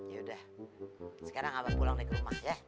yaudah sekarang abah pulang deh ke rumah ya